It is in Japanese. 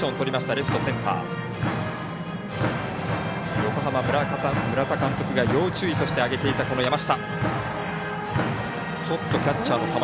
横浜、村田監督が要注意として挙げていた、山下。